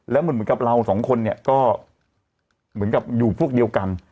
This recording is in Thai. แล้วเหมือนกับเราสองคนเนี่ยก็เหมือนกับอยู่พวกเดียวกัน